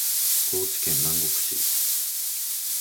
高知県南国市